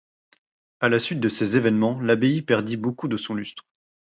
À la suite de ces événements l’abbaye perdit beaucoup de son lustre.